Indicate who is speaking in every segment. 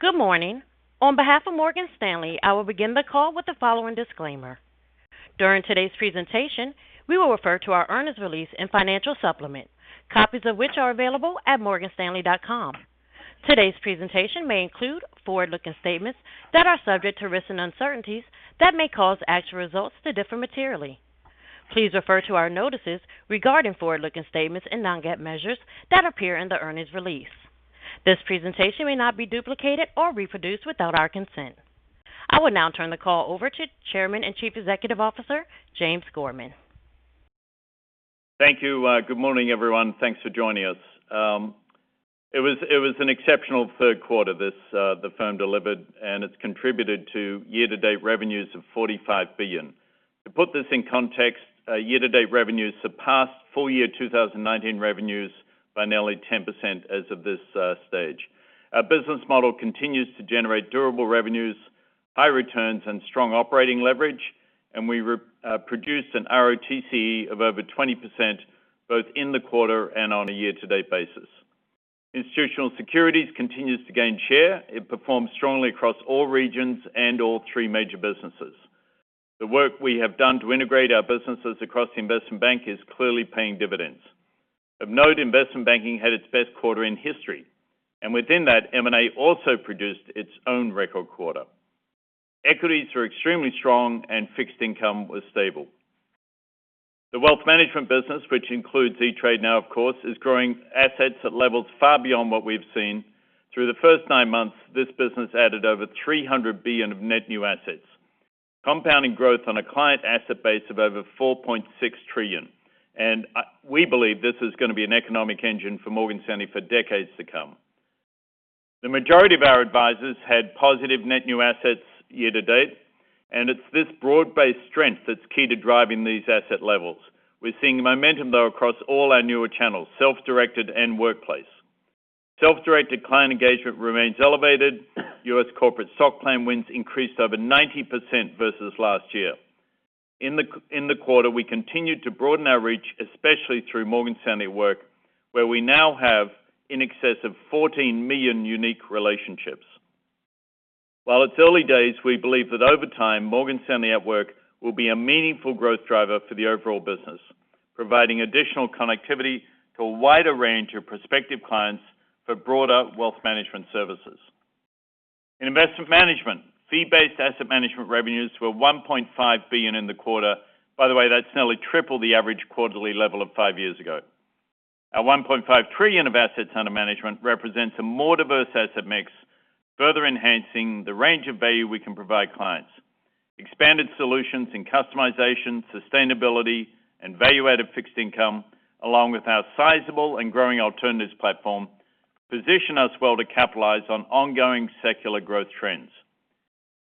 Speaker 1: Good morning. On behalf of Morgan Stanley, I will begin the call with the following disclaimer. During today's presentation, we will refer to our earnings release and financial supplement, copies of which are available at morganstanley.com. Today's presentation may include forward-looking statements that are subject to risks and uncertainties that may cause actual results to differ materially. Please refer to our notices regarding forward-looking statements and non-GAAP measures that appear in the earnings release. This presentation may not be duplicated or reproduced without our consent. I will now turn the call over to Chairman and Chief Executive Officer, James Gorman.
Speaker 2: Thank you. Good morning, everyone. Thanks for joining us. It was an exceptional third quarter the firm delivered. It's contributed to year-to-date revenues of $45 billion. To put this in context, year-to-date revenues surpassed full year 2019 revenues by nearly 10% as of this stage. Our business model continues to generate durable revenues, high returns, and strong operating leverage. We produced an ROTCE of over 20%, both in the quarter and on a year-to-date basis. Institutional Securities continues to gain share. It performs strongly across all regions and all three major businesses. The work we have done to integrate our businesses across the investment bank is clearly paying dividends. Of note, investment banking had its best quarter in history, and within that, M&A also produced its own record quarter. Equities were extremely strong and fixed income was stable. The wealth management business, which includes E*TRADE now, of course, is growing assets at levels far beyond what we've seen. Through the first nine months, this business added over $300 billion of net new assets, compounding growth on a client asset base of over $4.6 trillion. We believe this is going to be an economic engine for Morgan Stanley for decades to come. The majority of our advisors had positive net new assets year to date. It's this broad-based strength that's key to driving these asset levels. We're seeing momentum though across all our newer channels, self-directed and workplace. Self-directed client engagement remains elevated. U.S. corporate stock plan wins increased over 90% versus last year. In the quarter, we continued to broaden our reach, especially through Morgan Stanley at Work, where we now have in excess of 14 million unique relationships. While it's early days, we believe that over time, Morgan Stanley at Work will be a meaningful growth driver for the overall business, providing additional connectivity to a wider range of prospective clients for broader wealth management services. In investment management, fee-based asset management revenues were $1.5 billion in the quarter. By the way, that's nearly triple the average quarterly level of five years ago. Our $1.5 trillion of assets under management represents a more diverse asset mix, further enhancing the range of value we can provide clients. Expanded solutions and customization, sustainability, and value-added fixed income, along with our sizable and growing alternatives platform, position us well to capitalize on ongoing secular growth trends.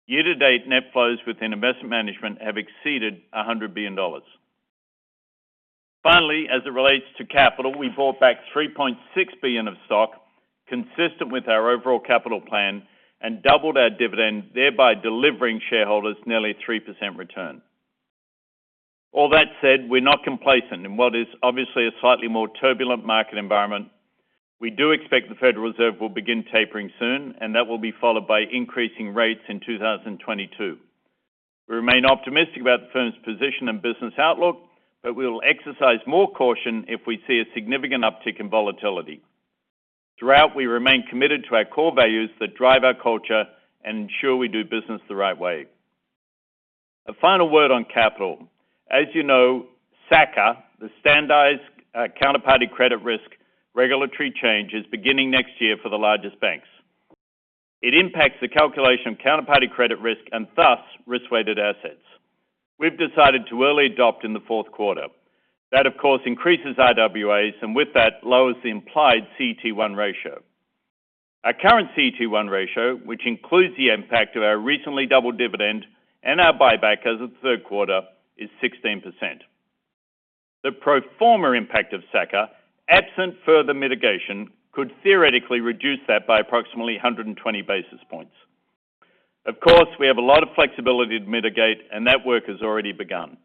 Speaker 2: Year-to-date net flows within investment management have exceeded $100 billion. Finally, as it relates to capital, we bought back $3.6 billion of stock consistent with our overall capital plan and doubled our dividend, thereby delivering shareholders nearly 3% return. We're not complacent in what is obviously a slightly more turbulent market environment. We do expect the Federal Reserve will begin tapering soon, and that will be followed by increasing rates in 2022. We remain optimistic about the firm's position and business outlook, but we will exercise more caution if we see a significant uptick in volatility. Throughout, we remain committed to our core values that drive our culture and ensure we do business the right way. A final word on capital. As you know, SA-CCR, the standardized counterparty credit risk regulatory change is beginning next year for the largest banks. It impacts the calculation of counterparty credit risk and thus risk-weighted assets. We've decided to early adopt in the fourth quarter. That, of course, increases RWAs, and with that, lowers the implied CET1 ratio. Our current CET1 ratio, which includes the impact of our recently doubled dividend and our buyback as of the third quarter, is 16%. The pro forma impact of SA-CCR, absent further mitigation, could theoretically reduce that by approximately 120 basis points. We have a lot of flexibility to mitigate, and that work has already begun.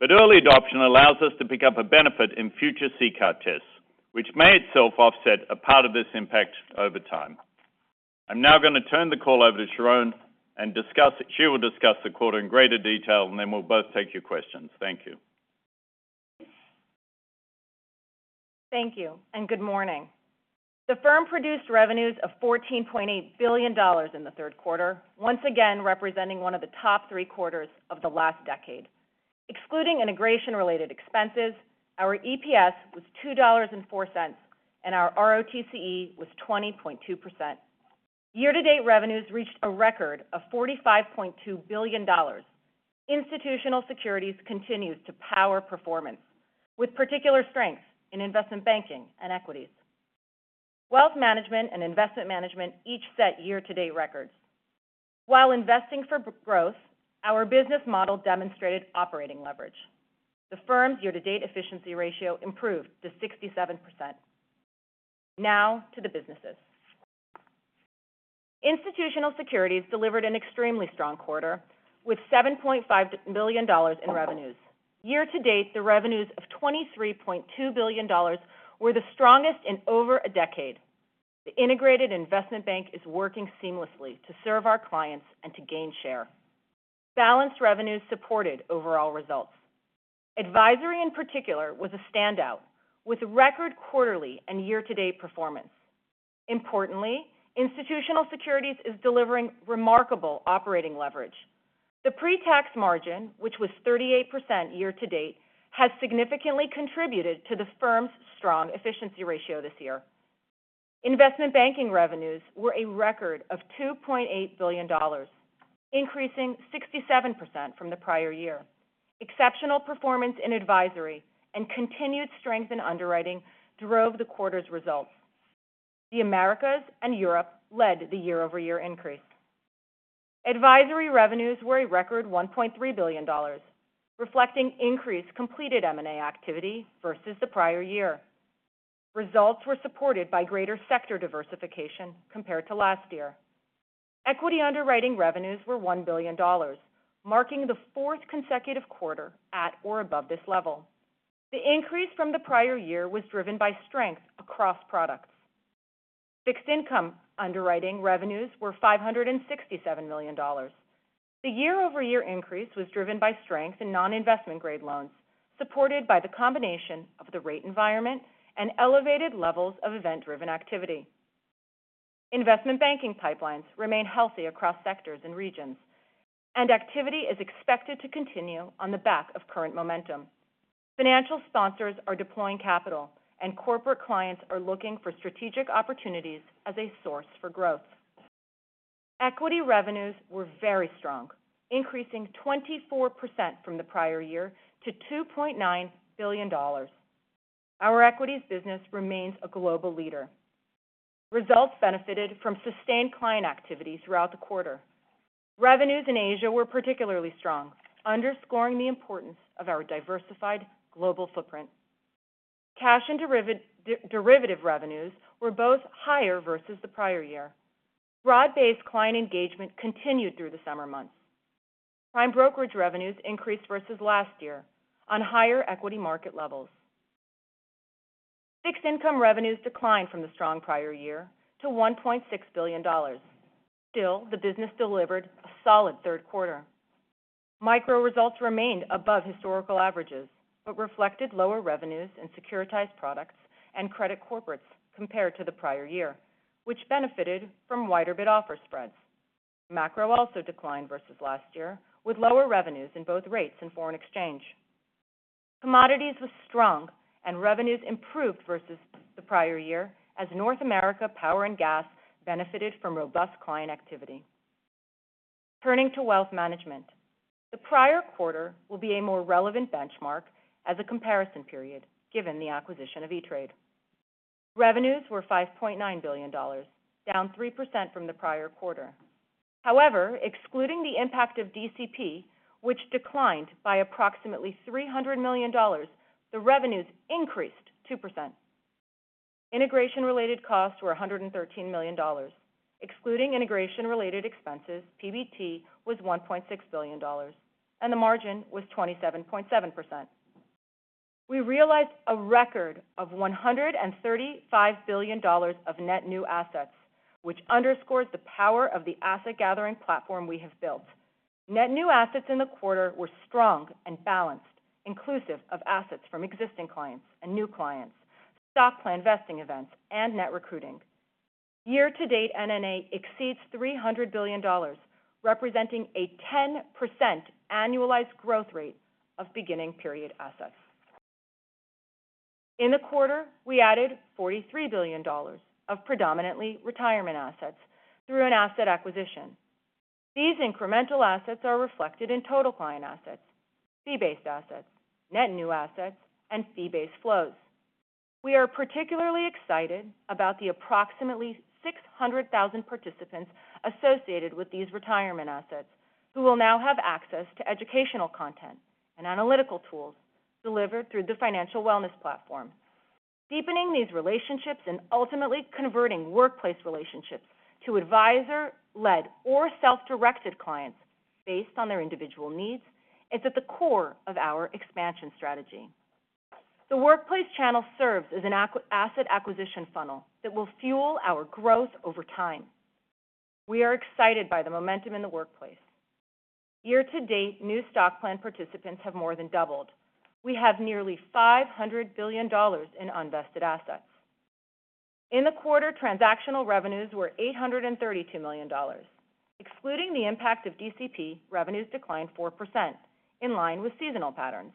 Speaker 2: Early adoption allows us to pick up a benefit in future CCAR tests, which may itself offset a part of this impact over time. I'm now going to turn the call over to Sharon and she will discuss the quarter in greater detail, and then we'll both take your questions. Thank you.
Speaker 1: Thank you. Good morning. The firm produced revenues of $14.8 billion in the third quarter, once again, representing one of the top three quarters of the last decade. Excluding integration related expenses, our EPS was $2.04, and our ROTCE was 20.2%. Year-to-date revenues reached a record of $45.2 billion. Institutional Securities continues to power performance with particular strength in investment banking and equities. Wealth Management and Investment Management each set year-to-date records. While investing for growth, our business model demonstrated operating leverage. The firm's year-to-date efficiency ratio improved to 67%. To the businesses. Institutional Securities delivered an extremely strong quarter with $7.5 billion in revenues. Year-to-date, the revenues of $23.2 billion were the strongest in over a decade. The integrated investment bank is working seamlessly to serve our clients and to gain share. Balanced revenues supported overall results. Advisory, in particular, was a standout, with record quarterly and year-to-date performance. Importantly, Institutional Securities is delivering remarkable operating leverage. The pre-tax margin, which was 38% year-to-date, has significantly contributed to the firm's strong efficiency ratio this year. Investment banking revenues were a record of $2.8 billion, increasing 67% from the prior year. Exceptional performance in advisory and continued strength in underwriting drove the quarter's results. The Americas and Europe led the year-over-year increase. Advisory revenues were a record $1.3 billion, reflecting increased completed M&A activity versus the prior year. Results were supported by greater sector diversification compared to last year. Equity underwriting revenues were $1 billion, marking the fourth consecutive quarter at or above this level. The increase from the prior year was driven by strength across products. Fixed income underwriting revenues were $567 million. The year-over-year increase was driven by strength in non-investment-grade loans, supported by the combination of the rate environment and elevated levels of event-driven activity. Investment banking pipelines remain healthy across sectors and regions, and activity is expected to continue on the back of current momentum. Financial sponsors are deploying capital, and corporate clients are looking for strategic opportunities as a source for growth. Equity revenues were very strong, increasing 24% from the prior year to $2.9 billion. Our equities business remains a global leader. Results benefited from sustained client activity throughout the quarter. Revenues in Asia were particularly strong, underscoring the importance of our diversified global footprint. Cash and derivative revenues were both higher versus the prior year. Broad-based client engagement continued through the summer months. Prime brokerage revenues increased versus last year on higher equity market levels. Fixed income revenues declined from the strong prior year to $1.6 billion. Still, the business delivered a solid third quarter. Micro results remained above historical averages but reflected lower revenues in securitized products and credit corporates compared to the prior year, which benefited from wider bid-offer spreads. Macro also declined versus last year, with lower revenues in both rates and foreign exchange. Commodities was strong, and revenues improved versus the prior year as North America power and gas benefited from robust client activity. Turning to Wealth Management, the prior quarter will be a more relevant benchmark as a comparison period, given the acquisition of E*TRADE. Revenues were $5.9 billion, down 3% from the prior quarter. However, excluding the impact of DCP, which declined by approximately $300 million, the revenues increased 2%. Integration-related costs were $113 million. Excluding integration-related expenses, PBT was $1.6 billion, and the margin was 27.7%. We realized a record of $135 billion of net new assets, which underscores the power of the asset gathering platform we have built. Net new assets in the quarter were strong and balanced, inclusive of assets from existing clients and new clients, stock plan vesting events, and net recruiting. Year-to-date, NNA exceeds $300 billion, representing a 10% annualized growth rate of beginning period assets. In the quarter, we added $43 billion of predominantly retirement assets through an asset acquisition. These incremental assets are reflected in total client assets, fee-based assets, net new assets, and fee-based flows. We are particularly excited about the approximately 600,000 participants associated with these retirement assets who will now have access to educational content and analytical tools delivered through the Financial Wellness platform. Deepening these relationships and ultimately converting workplace relationships to advisor-led or self-directed clients based on their individual needs is at the core of our expansion strategy. The workplace channel serves as an asset acquisition funnel that will fuel our growth over time. We are excited by the momentum in the workplace. Year-to-date, new stock plan participants have more than doubled. We have nearly $500 billion in unvested assets. In the quarter, transactional revenues were $832 million. Excluding the impact of DCP, revenues declined 4%, in line with seasonal patterns.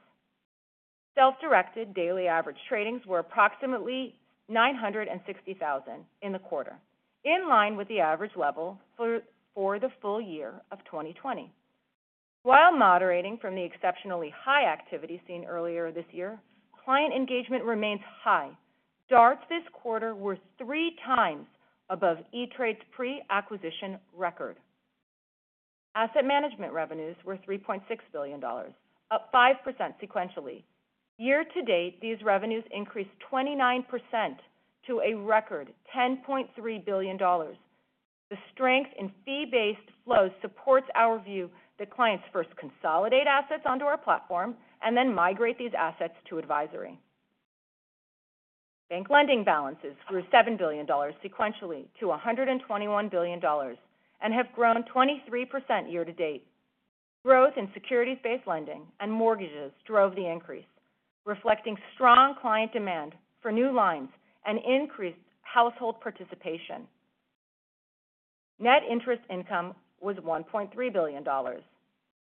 Speaker 1: Self-directed daily average tradings were approximately 960,000 in the quarter, in line with the average level for the full year of 2020. While moderating from the exceptionally high activity seen earlier this year, client engagement remains high. DARTs this quarter were three times above E*TRADE's pre-acquisition record. Asset management revenues were $3.6 billion, up 5% sequentially. Year-to-date, these revenues increased 29% to a record $10.3 billion. The strength in fee-based flows supports our view that clients first consolidate assets onto our platform and then migrate these assets to advisory. Bank lending balances grew $7 billion sequentially to $121 billion and have grown 23% year-to-date. Growth in securities-based lending and mortgages drove the increase, reflecting strong client demand for new lines and increased household participation. Net interest income was $1.3 billion.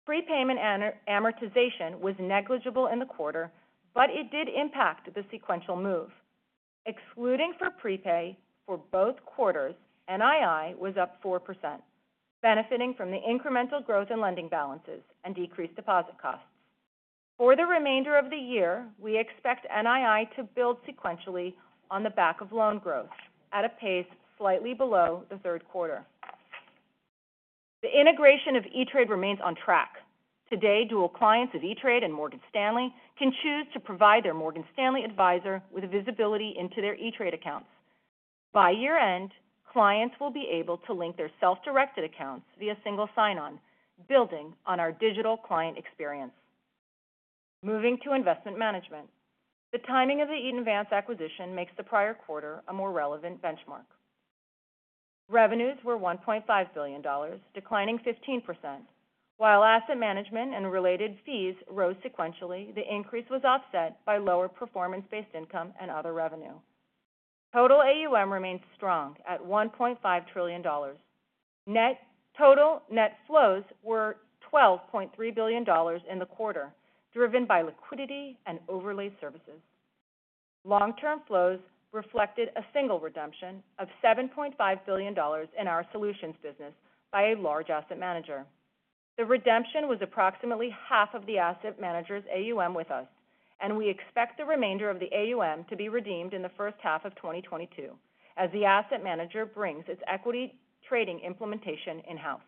Speaker 1: Prepayment amortization was negligible in the quarter, but it did impact the sequential move. Excluding for prepay for both quarters, NII was up 4%, benefiting from the incremental growth in lending balances and decreased deposit costs. For the remainder of the year, we expect NII to build sequentially on the back of loan growth at a pace slightly below the third quarter. The integration of E*TRADE remains on track. Today, dual clients of E*TRADE and Morgan Stanley can choose to provide their Morgan Stanley advisor with visibility into their E*TRADE accounts. By year-end, clients will be able to link their self-directed accounts via single sign-on, building on our digital client experience. Moving to investment management. The timing of the Eaton Vance acquisition makes the prior quarter a more relevant benchmark. Revenues were $1.5 billion, declining 15%. While asset management and related fees rose sequentially, the increase was offset by lower performance-based income and other revenue. Total AUM remains strong at $1.5 trillion. Total net flows were $12.3 billion in the quarter, driven by liquidity and overlay services. Long-term flows reflected a single redemption of $7.5 billion in our solutions business by a large asset manager. The redemption was approximately half of the asset manager's AUM with us. We expect the remainder of the AUM to be redeemed in the first half of 2022 as the asset manager brings its equity trading implementation in-house.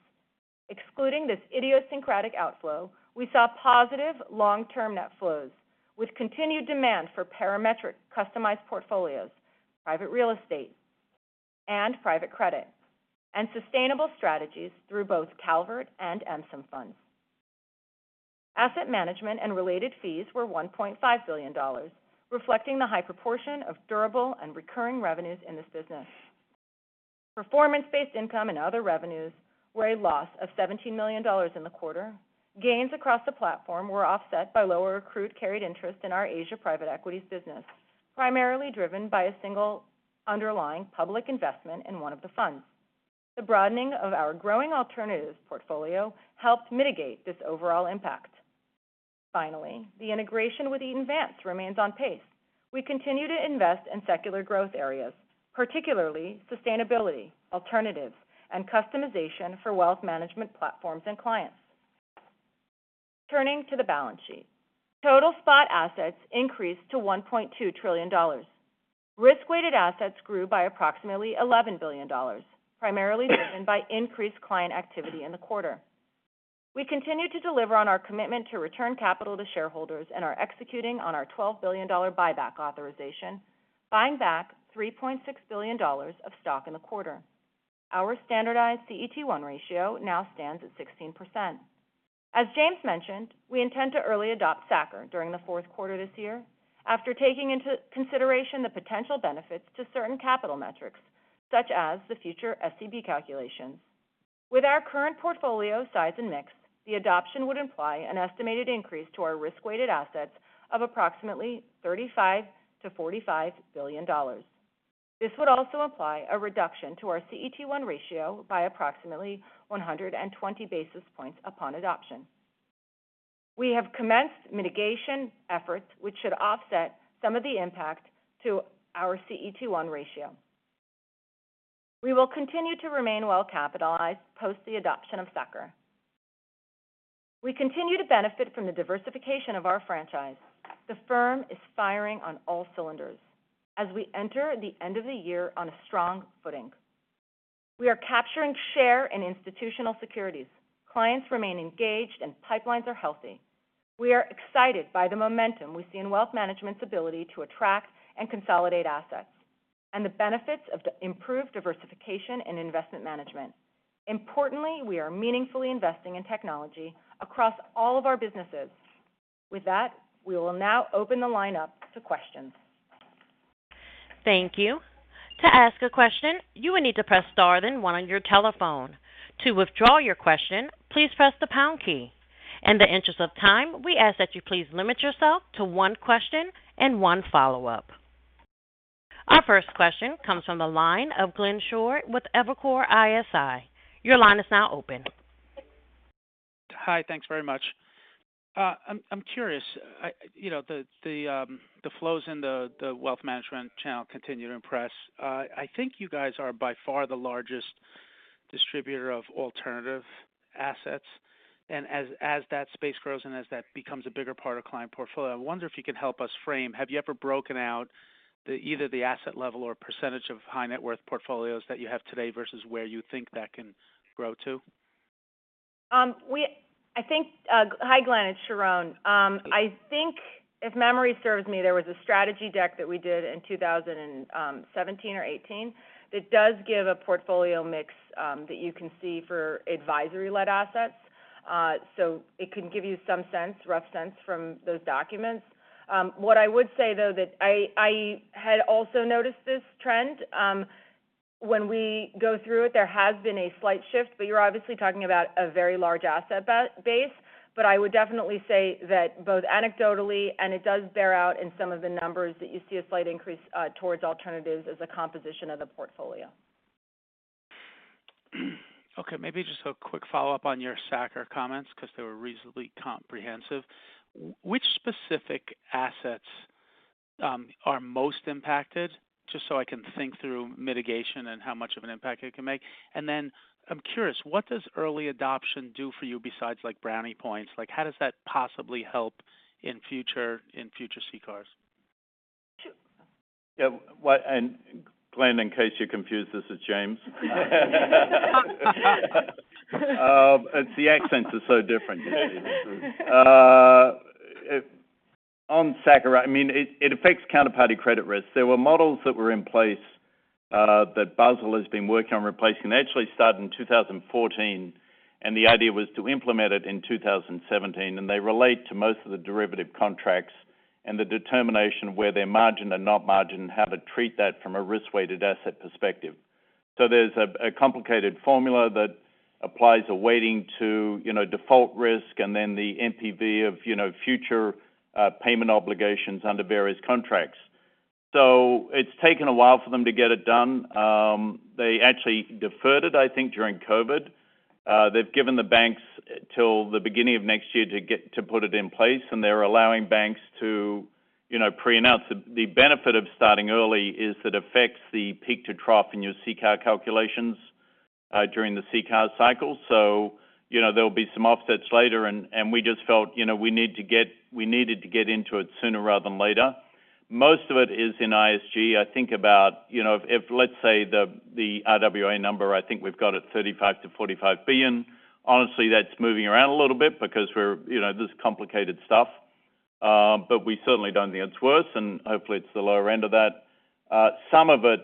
Speaker 1: Excluding this idiosyncratic outflow, we saw positive long-term net flows with continued demand for Parametric customized portfolios, private real estate, and private credit, and sustainable strategies through both Calvert and MSIM funds. Asset management and related fees were $1.5 billion, reflecting the high proportion of durable and recurring revenues in this business. Performance-based income and other revenues were a loss of $17 million in the quarter. Gains across the platform were offset by lower accrued carried interest in our Asia private equities business, primarily driven by a single underlying public investment in one of the funds. The broadening of our growing alternatives portfolio helped mitigate this overall impact. The integration with Eaton Vance remains on pace. We continue to invest in secular growth areas, particularly sustainability, alternatives, and customization for wealth management platforms and clients. Turning to the balance sheet. Total spot assets increased to $1.2 trillion. Risk-weighted assets grew by approximately $11 billion, primarily driven by increased client activity in the quarter. We continue to deliver on our commitment to return capital to shareholders and are executing on our $12 billion buyback authorization, buying back $3.6 billion of stock in the quarter. Our standardized CET1 ratio now stands at 16%. As James mentioned, we intend to early adopt SA-CCR during the fourth quarter this year after taking into consideration the potential benefits to certain capital metrics such as the future SCB calculations. With our current portfolio size and mix, the adoption would imply an estimated increase to our risk-weighted assets of approximately $35 billion-$45 billion. This would also apply a reduction to our CET1 ratio by approximately 120 basis points upon adoption. We have commenced mitigation efforts, which should offset some of the impact to our CET1 ratio. We will continue to remain well-capitalized post the adoption of SA-CCR. We continue to benefit from the diversification of our franchise. The firm is firing on all cylinders. As we enter the end of the year on a strong footing, we are capturing share in Institutional Securities. Clients remain engaged and pipelines are healthy. We are excited by the momentum we see in Wealth Management's ability to attract and consolidate assets, and the benefits of the improved diversification and investment management. Importantly, we are meaningfully investing in technology across all of our businesses. With that, we will now open the line up to questions.
Speaker 3: Thank you. In the interest of time, we ask that you please limit yourself to one question and one follow-up. Our first question comes from the line of Glenn Schorr with Evercore ISI.
Speaker 4: Hi. Thanks very much. I'm curious. The flows in the Wealth Management channel continue to impress. I think you guys are by far the largest distributor of alternative assets, and as that space grows and as that becomes a bigger part of client portfolio, I wonder if you could help us frame, have you ever broken out either the asset level or percentage of high net worth portfolios that you have today versus where you think that can grow to?
Speaker 1: Hi Glenn, it's Sharon. I think if memory serves me, there was a strategy deck that we did in 2017 or 2018 that does give a portfolio mix that you can see for advisory-led assets. It can give you some rough sense from those documents. I would say though, that I had also noticed this trend. When we go through it, there has been a slight shift, but you're obviously talking about a very large asset base. I would definitely say that both anecdotally, and it does bear out in some of the numbers that you see a slight increase towards alternatives as a composition of the portfolio.
Speaker 4: Okay, maybe just a quick follow-up on your SA-CCR comments because they were reasonably comprehensive. Which specific assets are most impacted, just so I can think through mitigation and how much of an impact it can make? I'm curious, what does early adoption do for you besides brownie points? How does that possibly help in future CCARs?
Speaker 2: Yeah. Glenn, in case you're confused, this is James. It's the accents are so different, you see. On SA-CCR, it affects counterparty credit risk. There were models that were in place that Basel has been working on replacing. They actually started in 2014, the idea was to implement it in 2017. They relate to most of the derivative contracts and the determination of where they're margined and not margined, and how to treat that from a risk-weighted asset perspective. There's a complicated formula that applies a weighting to default risk and then the NPV of future payment obligations under various contracts. It's taken a while for them to get it done. They actually deferred it, I think, during COVID. They've given the banks till the beginning of next year to put it in place, they're allowing banks to preannounce. The benefit of starting early is it affects the peak to trough in your CCAR calculations during the CCAR cycle. There'll be some offsets later and we just felt we needed to get into it sooner rather than later. Most of it is in ISG. I think about, let's say the RWA number, I think we've got it $35 billion-$45 billion. Honestly, that's moving around a little bit because this is complicated stuff. We certainly don't think it's worse, and hopefully it's the lower end of that. Some of it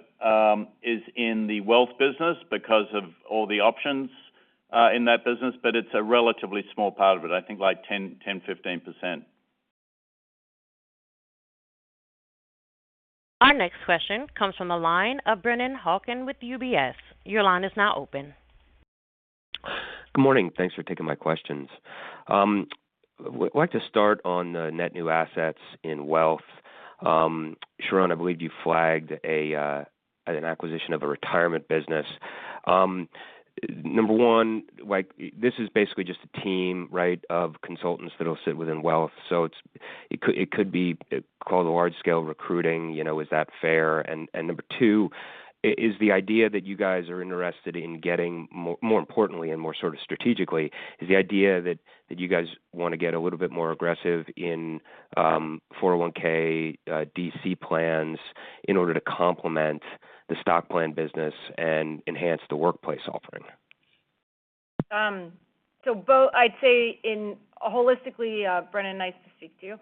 Speaker 2: is in the wealth business because of all the options in that business, but it's a relatively small part of it. I think like 10%-15%.
Speaker 3: Our next question comes from the line of Brennan Hawken with UBS. Your line is now open.
Speaker 5: Good morning. Thanks for taking my questions. I'd like to start on the net new assets in wealth. Sharon, I believe you flagged an acquisition of a retirement business. Number one, this is basically just a team of consultants that'll sit within wealth, so it could be called a large-scale recruiting. Is that fair? Number two, is the idea that you guys are interested in getting more importantly and more sort of strategically, is the idea that you guys want to get a little bit more aggressive in 401(k) DC plans in order to complement the stock plan business and enhance the workplace offering?
Speaker 1: Brennan, nice to speak to you.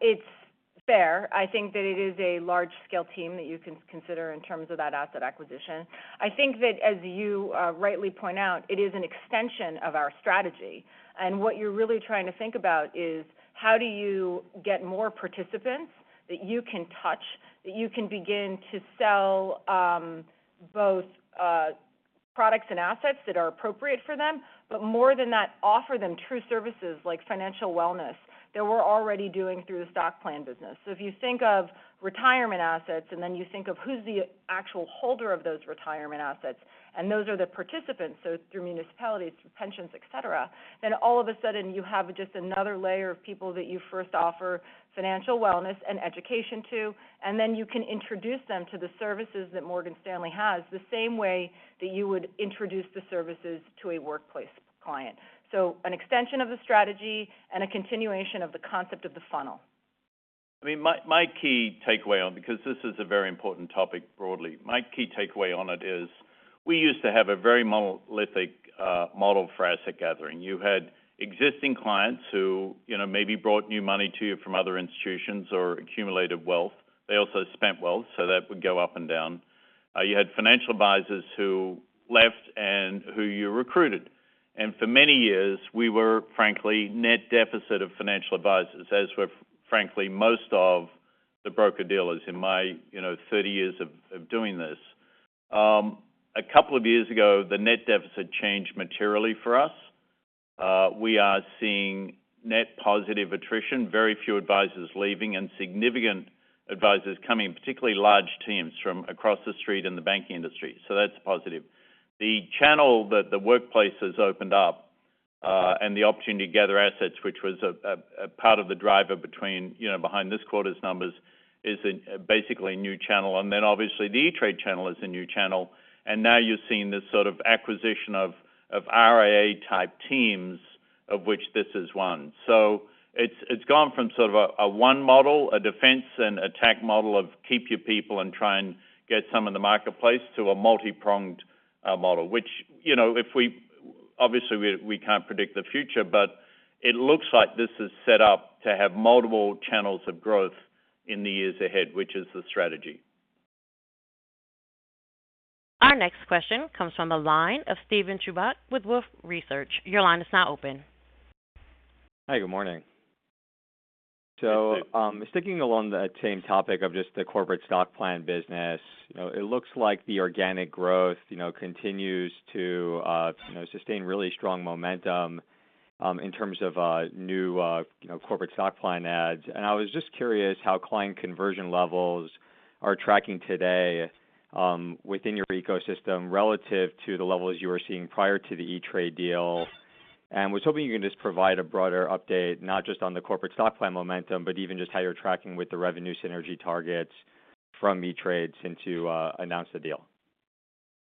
Speaker 1: It's fair. I think that it is a large-scale team that you can consider in terms of that asset acquisition. I think that as you rightly point out, it is an extension of our strategy. What you're really trying to think about is how do you get more participants that you can touch, that you can begin to sell both products and assets that are appropriate for them. More than that, offer them true services like Financial Wellness that we're already doing through the stock plan business. If you think of retirement assets, and then you think of who's the actual holder of those retirement assets, and those are the participants, so through municipalities, through pensions, et cetera. All of a sudden, you have just another layer of people that you first offer Financial Wellness and education to, and then you can introduce them to the services that Morgan Stanley has, the same way that you would introduce the services to a workplace client. An extension of the strategy and a continuation of the concept of the funnel.
Speaker 2: Because this is a very important topic broadly, my key takeaway on it is we used to have a very monolithic model for asset gathering. You had existing clients who maybe brought new money to you from other institutions or accumulated wealth. They also spent wealth, so that would go up and down. You had financial advisors who left and who you recruited. For many years, we were frankly net deficit of financial advisors, as were frankly most of the broker-dealers in my 30 years of doing this. A couple of years ago, the net deficit changed materially for us. We are seeing net positive attrition, very few advisors leaving, and significant advisors coming in, particularly large teams from across the street in the banking industry. That's positive. The channel that the workplace has opened up and the opportunity to gather assets, which was a part of the driver behind this quarter's numbers, is basically a new channel. Then obviously the E*TRADE channel is a new channel. Now you're seeing this sort of acquisition of RIA-type teams. Of which this is one. It's gone from sort of a one model, a defense and attack model of keep your people and try and get some of the marketplace, to a multi-pronged model. Obviously we can't predict the future, but it looks like this is set up to have multiple channels of growth in the years ahead, which is the strategy.
Speaker 3: Our next question comes from the line of Steven Chubak with Wolfe Research. Your line is now open.
Speaker 6: Hi, good morning.
Speaker 2: Hey, Steve.
Speaker 6: Sticking along that same topic of just the corporate stock plan business, it looks like the organic growth continues to sustain really strong momentum in terms of new corporate stock plan ads. I was just curious how client conversion levels are tracking today within your ecosystem relative to the levels you were seeing prior to the E*TRADE deal. Was hoping you can just provide a broader update, not just on the corporate stock plan momentum, but even just how you're tracking with the revenue synergy targets from E*TRADE since you announced the deal.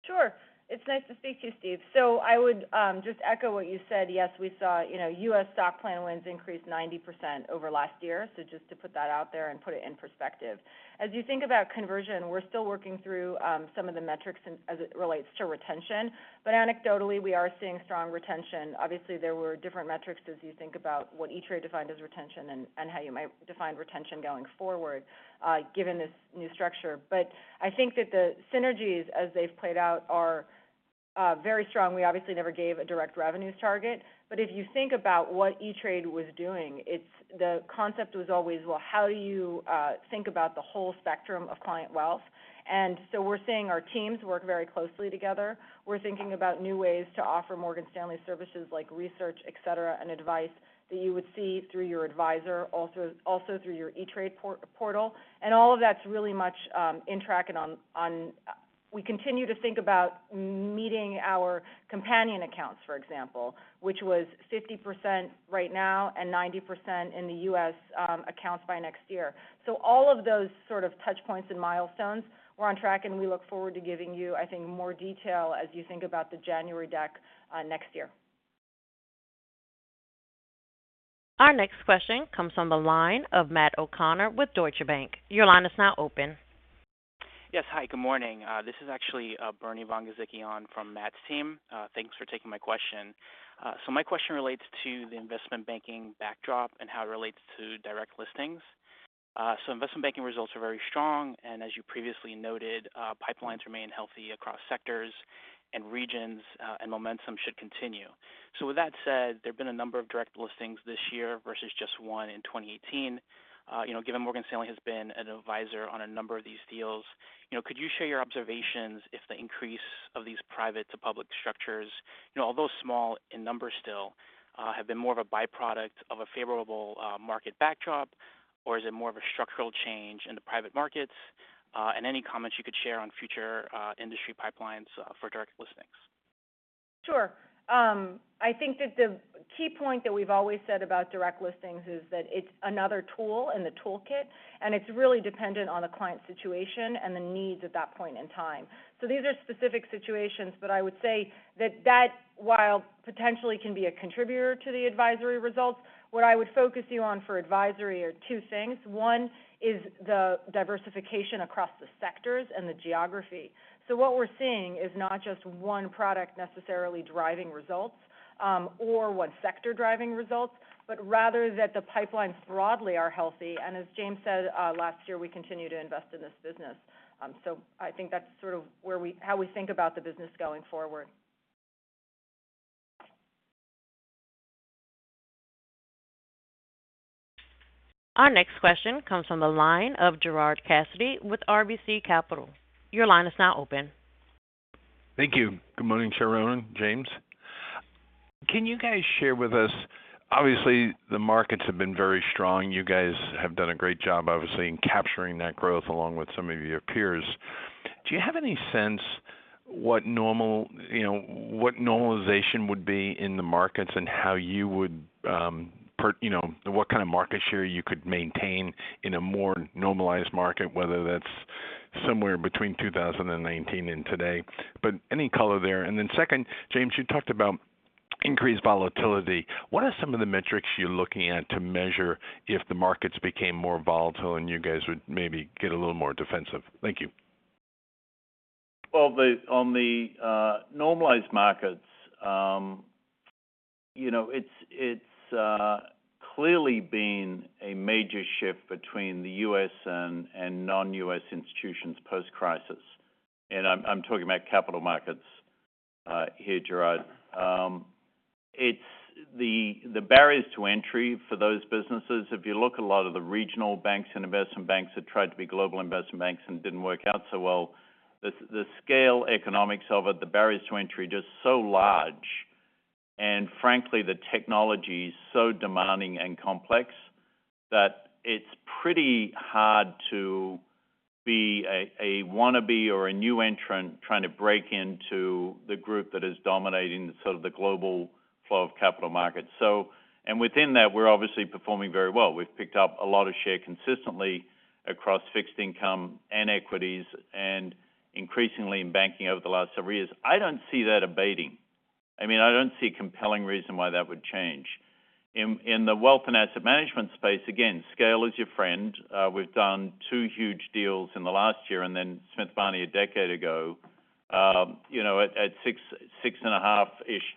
Speaker 1: Sure. It's nice to speak to you, Steve. I would just echo what you said. Yes, we saw US stock plan wins increase 90% over last year. Just to put that out there and put it in perspective. As you think about conversion, we're still working through some of the metrics as it relates to retention. Anecdotally, we are seeing strong retention. Obviously, there were different metrics as you think about what E*TRADE defined as retention and how you might define retention going forward given this new structure. I think that the synergies as they've played out are very strong. We obviously never gave a direct revenues target. If you think about what E*TRADE was doing, the concept was always, well, how do you think about the whole spectrum of client wealth? We're seeing our teams work very closely together. We're thinking about new ways to offer Morgan Stanley services like research, et cetera, and advice that you would see through your advisor, also through your E*TRADE portal. All of that's really much in track. We continue to think about meeting our companion accounts, for example, which was 50% right now and 90% in the U.S. accounts by next year. All of those sort of touch points and milestones, we're on track, and we look forward to giving you, I think, more detail as you think about the January deck next year.
Speaker 3: Our next question comes from the line of Matt O'Connor with Deutsche Bank. Your line is now open.
Speaker 7: Yes. Hi, good morning. This is actually Bernard Von Gizycki on from Matt's team. Thanks for taking my question. My question relates to the investment banking backdrop and how it relates to direct listings. Investment banking results are very strong, and as you previously noted, pipelines remain healthy across sectors and regions, and momentum should continue. With that said, there've been a number of direct listings this year versus just one in 2018. Given Morgan Stanley has been an advisor on a number of these deals, could you share your observations if the increase of these private to public structures, although small in numbers still, have been more of a byproduct of a favorable market backdrop, or is it more of a structural change in the private markets? Any comments you could share on future industry pipelines for direct listings.
Speaker 1: I think that the key point that we've always said about direct listings is that it's another tool in the toolkit, and it's really dependent on the client's situation and the needs at that point in time. These are specific situations, but I would say that, while potentially can be a contributor to the advisory results, what I would focus you on for advisory are two things. One is the diversification across the sectors and the geography. What we're seeing is not just one product necessarily driving results, or one sector driving results, but rather that the pipelines broadly are healthy. As James said last year, we continue to invest in this business. I think that's sort of how we think about the business going forward.
Speaker 3: Our next question comes from the line of Gerard Cassidy with RBC Capital. Your line is now open.
Speaker 8: Thank you. Good morning, Sharon, James. Can you guys share with us, obviously, the markets have been very strong. You guys have done a great job, obviously, in capturing that growth along with some of your peers. Do you have any sense what normalization would be in the markets and what kind of market share you could maintain in a more normalized market, whether that's somewhere between 2019 and today? Any color there. Second, James, you talked about increased volatility. What are some of the metrics you're looking at to measure if the markets became more volatile and you guys would maybe get a little more defensive? Thank you.
Speaker 2: Well, on the normalized markets, it's clearly been a major shift between the U.S. and non-U.S. institutions post-crisis. I'm talking about capital markets here, Gerard. The barriers to entry for those businesses, if you look a lot of the regional banks and investment banks that tried to be global investment banks and didn't work out so well, the scale economics of it, the barriers to entry, just so large. Frankly, the technology's so demanding and complex that it's pretty hard to be a wannabe or a new entrant trying to break into the group that is dominating sort of the global flow of capital markets. Within that, we're obviously performing very well. We've picked up a lot of share consistently across fixed income and equities, and increasingly in banking over the last several years. I don't see that abating. I don't see a compelling reason why that would change. In the wealth and asset management space, again, scale is your friend. We've done two huge deals in the last year and then Smith Barney a decade ago. At $6.5-ish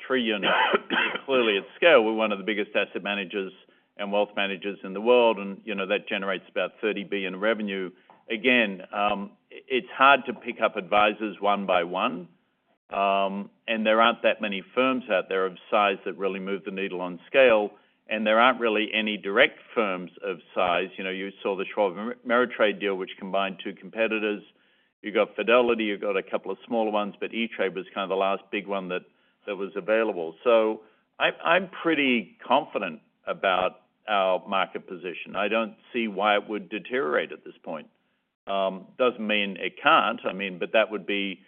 Speaker 2: trillion. Clearly at scale, we're one of the biggest asset managers and wealth managers in the world, and that generates about $30 billion revenue. Again, it's hard to pick up advisors one by one. There aren't that many firms out there of size that really move the needle on scale, and there aren't really any direct firms of size. You saw the Schwab and Ameritrade deal, which combined two competitors. You got Fidelity. You got a couple of smaller ones, but E*TRADE was kind of the last big one that was available. I'm pretty confident about our market position. I don't see why it would deteriorate at this point. Doesn't mean it can't, but that would be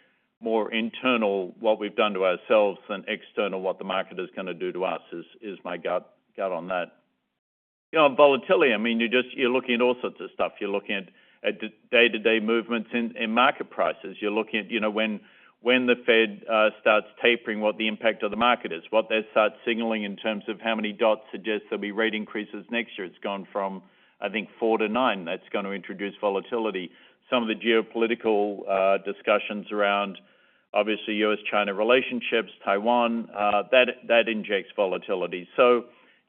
Speaker 2: more internal, what we've done to ourselves, than external, what the market is going to do to us, is my gut on that. On volatility, you're looking at all sorts of stuff. You're looking at the day-to-day movements in market prices. You're looking at when the Fed starts tapering, what the impact of the market is, what they start signaling in terms of how many dots suggest there'll be rate increases next year. It's gone from, I think, 4 to 9. That's going to introduce volatility. Some of the geopolitical discussions around, obviously, U.S.-China relationships, Taiwan, that injects volatility.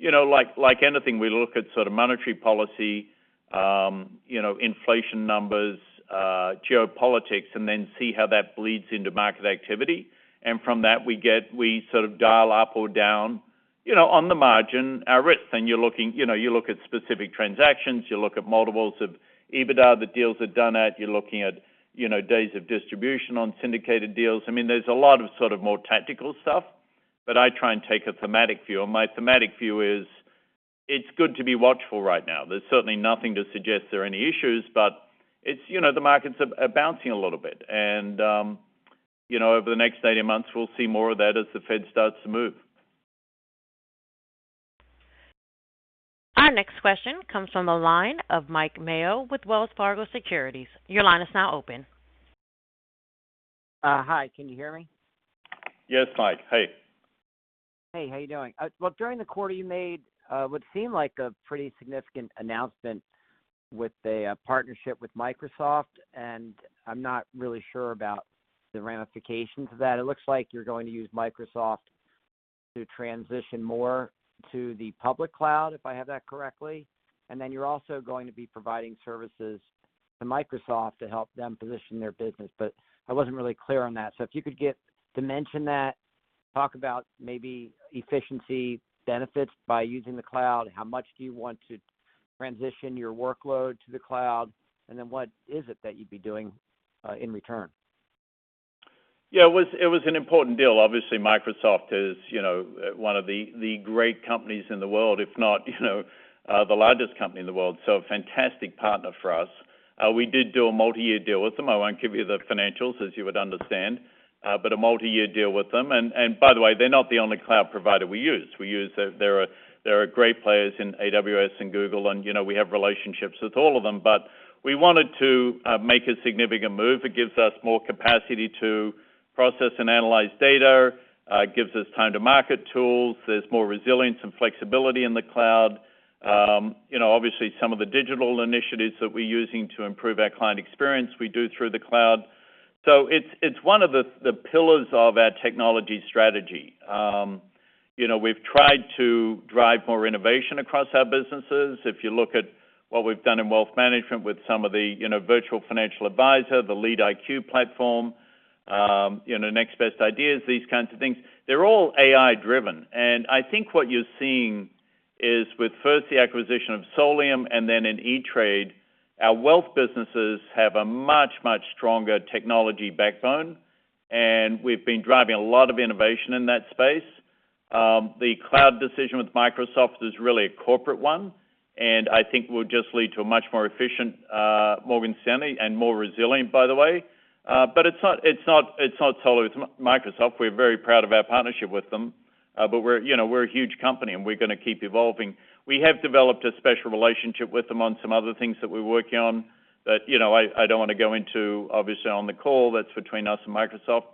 Speaker 2: Like anything, we look at monetary policy, inflation numbers, geopolitics, and then see how that bleeds into market activity. From that, we sort of dial up or down on the margin, our risk. You look at specific transactions, you look at multiples of EBITDA that deals are done at. You're looking at days of distribution on syndicated deals. There's a lot of more tactical stuff, but I try and take a thematic view. My thematic view is it's good to be watchful right now. There's certainly nothing to suggest there are any issues, but the markets are bouncing a little bit. Over the next 18 months, we'll see more of that as the Fed starts to move.
Speaker 3: Our next question comes from the line of Mike Mayo with Wells Fargo Securities. Your line is now open.
Speaker 9: Hi, can you hear me?
Speaker 2: Yes, Mike. Hey.
Speaker 9: Hey, how you doing? Well, during the quarter, you made what seemed like a pretty significant announcement with a partnership with Microsoft, and I'm not really sure about the ramifications of that. It looks like you're going to use Microsoft to transition more to the public cloud, if I have that correctly, and then you're also going to be providing services to Microsoft to help them position their business. I wasn't really clear on that. If you could get to mention that, talk about maybe efficiency benefits by using the cloud. How much do you want to transition your workload to the cloud? What is it that you'd be doing in return?
Speaker 2: Yeah, it was an important deal. Obviously, Microsoft is one of the great companies in the world, if not the largest company in the world. A fantastic partner for us. We did do a multi-year deal with them. I won't give you the financials, as you would understand. A multi-year deal with them. By the way, they're not the only cloud provider we use. There are great players in AWS and Google, and we have relationships with all of them. We wanted to make a significant move. It gives us more capacity to process and analyze data. It gives us time to market tools. There's more resilience and flexibility in the cloud. Obviously, some of the digital initiatives that we're using to improve our client experience, we do through the cloud. It's one of the pillars of our technology strategy. We've tried to drive more innovation across our businesses. If you look at what we've done in wealth management with some of the virtual financial advisor, the LeadIQ platform, Next Best Action, these kinds of things, they're all AI-driven. I think what you're seeing is with first the acquisition of Solium and then in E*TRADE, our wealth businesses have a much stronger technology backbone, and we've been driving a lot of innovation in that space. The cloud decision with Microsoft is really a corporate one, and I think will just lead to a much more efficient Morgan Stanley and more resilient, by the way. It's not totally with Microsoft. We're very proud of our partnership with them. We're a huge company, and we're going to keep evolving. We have developed a special relationship with them on some other things that we're working on that I don't want to go into, obviously, on the call. That's between us and Microsoft.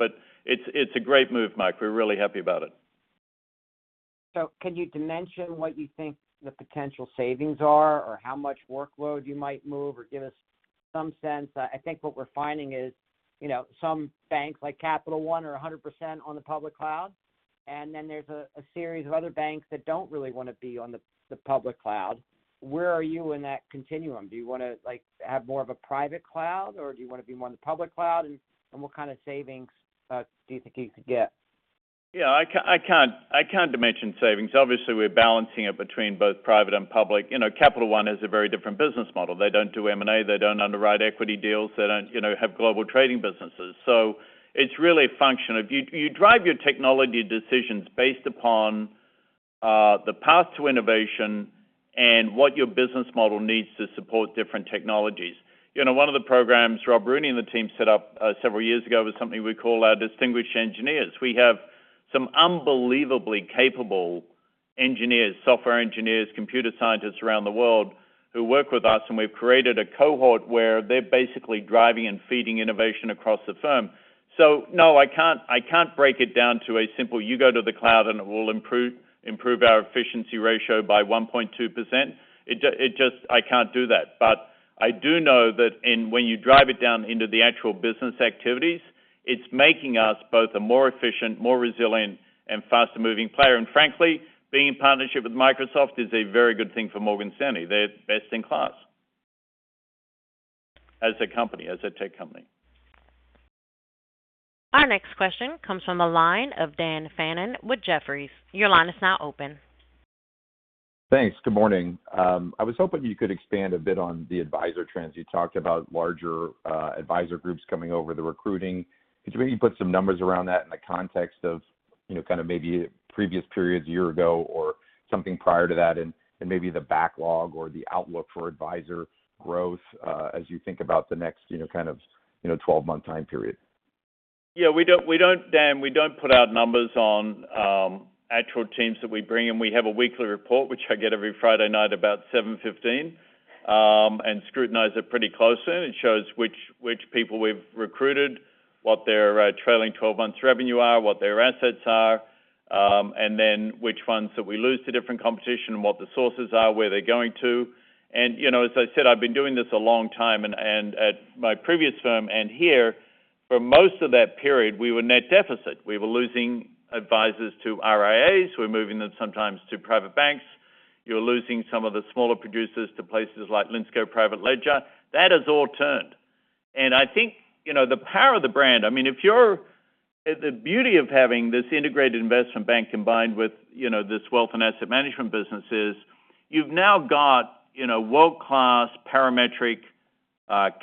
Speaker 2: It's a great move, Mike. We're really happy about it.
Speaker 9: Can you dimension what you think the potential savings are or how much workload you might move or give us some sense? I think what we're finding is some banks, like Capital One, are 100% on the public cloud, and then there's a series of other banks that don't really want to be on the public cloud. Where are you in that continuum? Do you want to have more of a private cloud, or do you want to be more on the public cloud? What kind of savings do you think you could get?
Speaker 2: Yeah, I can't dimension savings. Obviously, we're balancing it between both private and public. Capital One is a very different business model. They don't do M&A. They don't underwrite equity deals. They don't have global trading businesses. It's really a function of you drive your technology decisions based upon the path to innovation and what your business model needs to support different technologies. One of the programs Rob Rooney and the team set up several years ago was something we call our Distinguished Engineers. We have some unbelievably capable engineers, software engineers, computer scientists around the world who work with us, and we've created a cohort where they're basically driving and feeding innovation across the firm. No, I can't break it down to a simple, you go to the cloud, and it will improve our efficiency ratio by 1.2%. I can't do that. I do know that when you drive it down into the actual business activities, it's making us both a more efficient, more resilient, and faster-moving player. Frankly, being in partnership with Microsoft is a very good thing for Morgan Stanley. They're best in class as a tech company.
Speaker 3: Our next question comes from the line of Dan Fannon with Jefferies. Your line is now open.
Speaker 10: Thanks. Good morning. I was hoping you could expand a bit on the advisor trends. You talked about larger advisor groups coming over, the recruiting. Could you maybe put some numbers around that in the context of maybe previous periods, a year ago or something prior to that, and maybe the backlog or the outlook for advisor growth as you think about the next kind of 12-month time period?
Speaker 2: Yeah, Dan, we don't put out numbers on actual teams that we bring in. We have a weekly report, which I get every Friday night about 7:15 P.M., scrutinize it pretty closely, it shows which people we've recruited, what their trailing 12 months revenue are, what their assets are, then which ones that we lose to different competition and what the sources are, where they're going to. As I said, I've been doing this a long time, at my previous firm and here, for most of that period, we were net deficit. We were losing advisors to RIAs. We're moving them sometimes to private banks. You're losing some of the smaller producers to places like Linsco Private Ledger. That has all turned. I think the power of the brand, the beauty of having this integrated investment bank combined with this wealth and asset management business is you've now got world-class Parametric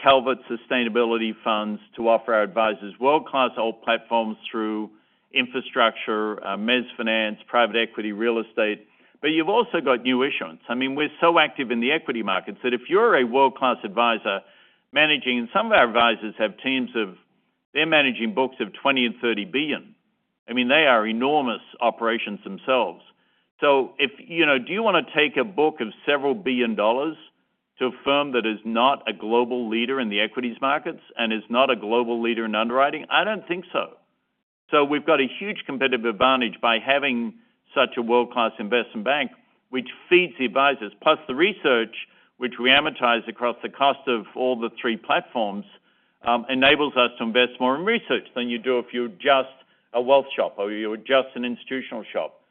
Speaker 2: Calvert sustainability funds to offer our advisors, world-class alt platforms through infrastructure, mezz finance, private equity, real estate, but you've also got new issuance. We're so active in the equity markets that if you're a world-class advisor managing, and some of our advisors, they're managing books of $20 billion and $30 billion. They are enormous operations themselves. Do you want to take a book of several billion dollars to a firm that is not a global leader in the equities markets and is not a global leader in underwriting? I don't think so. We've got a huge competitive advantage by having such a world-class investment bank, which feeds the advisors. The research, which we amortize across the cost of all the three platforms, enables us to invest more in research than you do if you're just a wealth shop or you're just an institutional shop.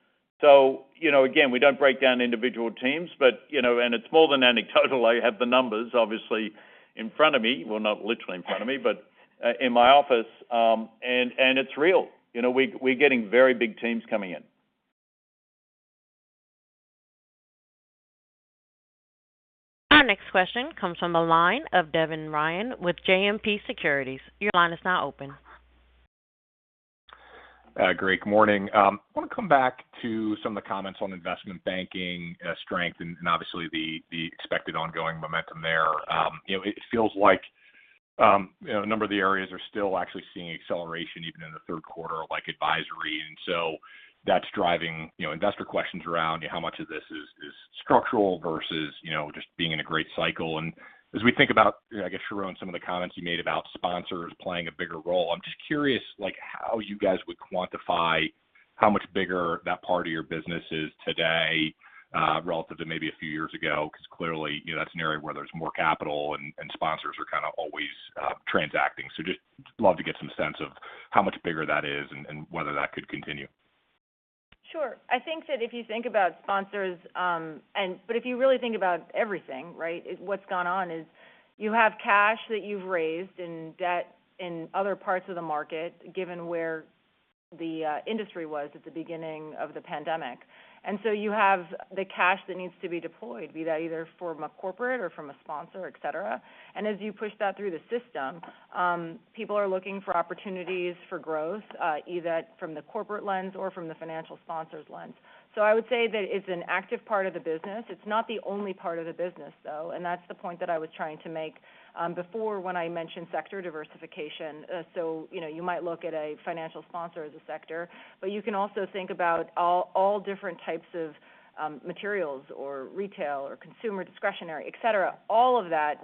Speaker 2: Again, we don't break down individual teams, and it's more than anecdotal. I have the numbers obviously in front of me. Well, not literally in front of me, but in my office. It's real. We're getting very big teams coming in.
Speaker 3: Our next question comes from the line of Devin Ryan with JMP Securities. Your line is now open.
Speaker 11: Great, good morning. I want to come back to some of the comments on investment banking strength and obviously the expected ongoing momentum there. It feels like a number of the areas are still actually seeing acceleration even in the third quarter, like advisory. That's driving investor questions around how much of this is structural versus just being in a great cycle. As we think about, I guess, Sharon, some of the comments you made about sponsors playing a bigger role, I'm just curious how you guys would quantify how much bigger that part of your business is today relative to maybe a few years ago, because clearly, that's an area where there's more capital and sponsors are kind of always transacting. Just love to get some sense of how much bigger that is and whether that could continue.
Speaker 1: Sure. I think that if you think about sponsors, but if you really think about everything, right, what's gone on is you have cash that you've raised and debt in other parts of the market, given where the industry was at the beginning of the pandemic. You have the cash that needs to be deployed, be that either from a corporate or from a sponsor, et cetera. As you push that through the system, people are looking for opportunities for growth, either from the corporate lens or from the financial sponsor's lens. I would say that it's an active part of the business. It's not the only part of the business, though, and that's the point that I was trying to make before when I mentioned sector diversification. You might look at a financial sponsor as a sector, but you can also think about all different types of materials or retail or consumer discretionary, et cetera. All of that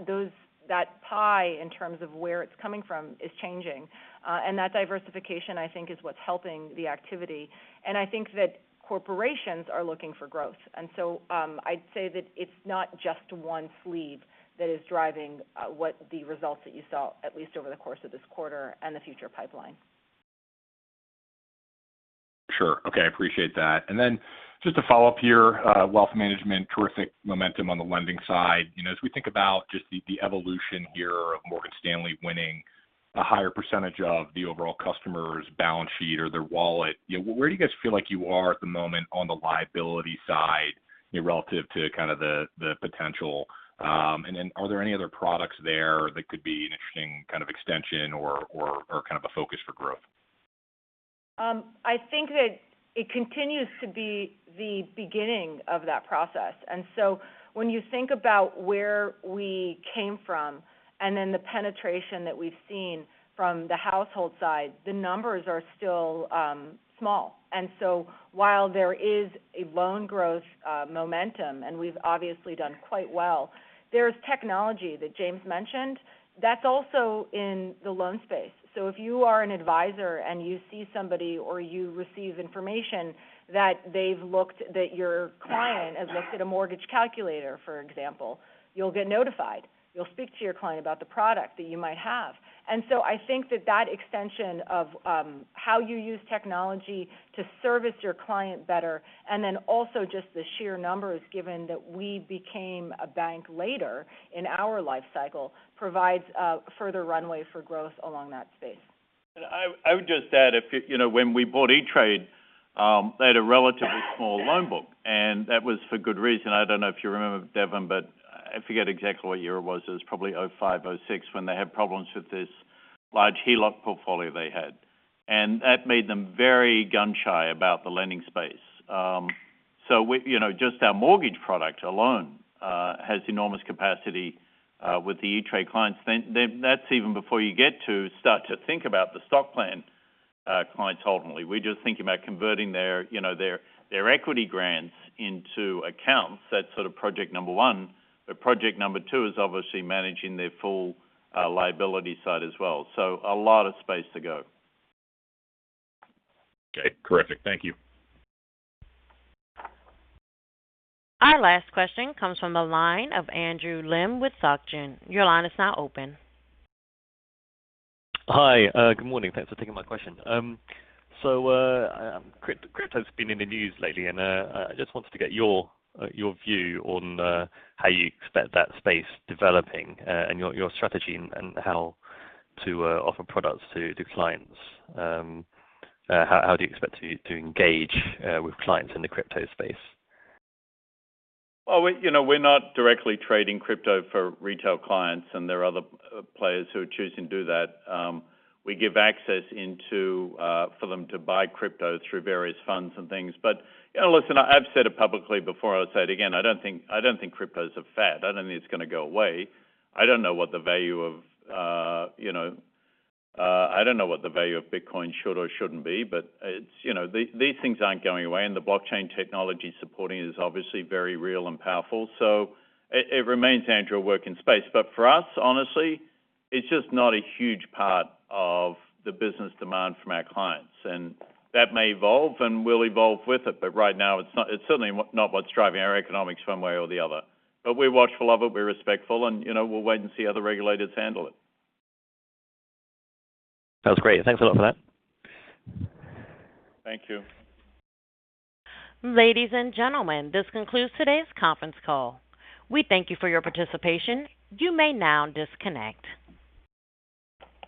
Speaker 1: pie in terms of where it's coming from is changing. That diversification, I think, is what's helping the activity. I think that corporations are looking for growth. I'd say that it's not just one sleeve that is driving what the results that you saw, at least over the course of this quarter and the future pipeline.
Speaker 11: Sure. Okay, appreciate that. Just to follow up here, wealth management, terrific momentum on the lending side. As we think about just the evolution here of Morgan Stanley winning a higher percentage of the overall customer's balance sheet or their wallet, where do you guys feel like you are at the moment on the liability side relative to kind of the potential? Are there any other products there that could be an interesting kind of extension or kind of a focus for growth?
Speaker 1: I think that it continues to be the beginning of that process. When you think about where we came from and then the penetration that we've seen from the household side, the numbers are still small. While there is a loan growth momentum, and we've obviously done quite well, there's technology that James mentioned that's also in the loan space. So if you are an advisor and you see somebody or you receive information that your client has looked at a mortgage calculator, for example, you'll get notified. You'll speak to your client about the product that you might have. I think that that extension of how you use technology to service your client better, and then also just the sheer numbers given that we became a bank later in our life cycle, provides a further runway for growth along that space.
Speaker 2: I would just add, when we bought E*TRADE, they had a relatively small loan book, and that was for good reason. I don't know if you remember, Devin, but I forget exactly what year it was. It was probably 2005, 2006 when they had problems with this large HELOC portfolio they had. That made them very gun-shy about the lending space. Just our mortgage product alone has enormous capacity with the E*TRADE clients. That's even before you get to start to think about the stock plan clients, ultimately. We're just thinking about converting their equity grants into accounts. That's project number one, but project number two is obviously managing their full liability side as well. A lot of space to go.
Speaker 11: Okay. Terrific. Thank you.
Speaker 3: Our last question comes from the line of Andrew Lim with SocGen. Your line is now open.
Speaker 12: Hi. Good morning. Thanks for taking my question. Crypto's been in the news lately, and I just wanted to get your view on how you expect that space developing and your strategy and how to offer products to clients. How do you expect to engage with clients in the crypto space?
Speaker 2: We're not directly trading crypto for retail clients, and there are other players who are choosing to do that. We give access for them to buy crypto through various funds and things. Listen, I've said it publicly before, I'll say it again. I don't think crypto's a fad. I don't think it's going to go away. I don't know what the value of Bitcoin should or shouldn't be, but these things aren't going away, and the blockchain technology supporting it is obviously very real and powerful. It remains, Andrew, a work in space. For us, honestly, it's just not a huge part of the business demand from our clients. That may evolve, and we'll evolve with it. Right now, it's certainly not what's driving our economics one way or the other. We're watchful of it, we're respectful, and we'll wait and see how the regulators handle it.
Speaker 12: Sounds great. Thanks a lot for that.
Speaker 2: Thank you.
Speaker 3: Ladies and gentlemen, this concludes today's conference call. We thank you for your participation. You may now disconnect.